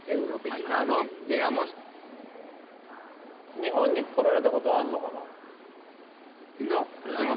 日本に来られたことはあるのかな？